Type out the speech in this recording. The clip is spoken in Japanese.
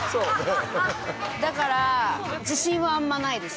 だから自信はあんまないです。